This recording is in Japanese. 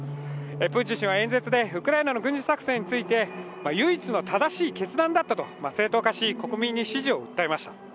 プーチン氏は演説でウクライナの軍事作戦について唯一の正しい決断だったと正当化し国民に支持を訴えました。